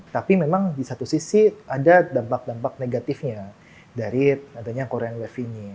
tapi memang di satu sisi ada dampak dampak negatifnya dari adanya korean wave ini